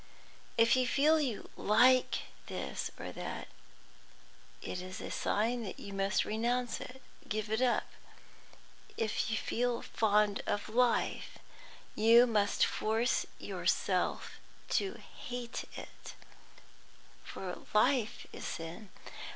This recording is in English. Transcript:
If you feel you like this or that, it is a sign that you must renounce it, give it up. If you feel fond of life, you must force yourself to hate it; for life is sin.